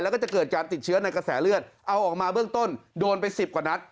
แล้วก็จะเกิดการติดเชื้อในกระแสเลือดเอาออกมาเบื้องต้นโดนไป๑๐กว่านัด